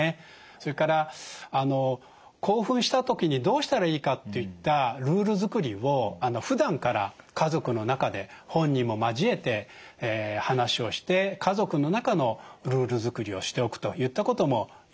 それから興奮した時にどうしたらいいかといったルール作りをふだんから家族の中で本人も交えて話をして家族の中のルール作りをしておくといったこともよいことかなと思います。